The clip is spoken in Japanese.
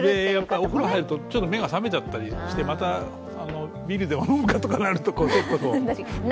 お風呂入るとちょっと目が覚めちゃったりしてまたビールでも飲むかとなると。